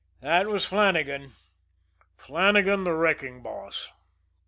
That was Flannagan Flannagan, the wrecking boss.